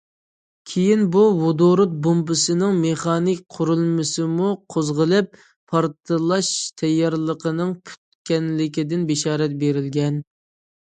كېيىن بۇ ۋودورود بومبىسىنىڭ مېخانىك قۇرۇلمىسىمۇ قوزغىلىپ، پارتلاش تەييارلىقىنىڭ پۈتكەنلىكىدىن بېشارەت بېرىلگەن.